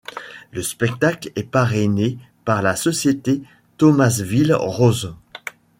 Le spectacle est parrainé par la Société Thomasville Rose.